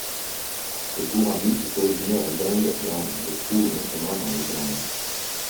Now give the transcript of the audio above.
Ce gourami est originaire d'Inde et on le trouve notamment dans le Gange.